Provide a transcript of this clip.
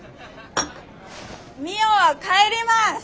みよは帰ります！